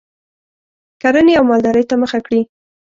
کرنې او مالدارۍ ته مخه کړي